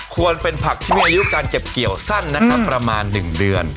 ควรเป็นผักที่มีอายุการเก็บเกี่ยวสั้นนะครับประมาณ๑เดือน